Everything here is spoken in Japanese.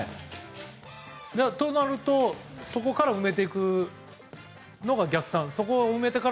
となるとそこから埋めていく逆算と。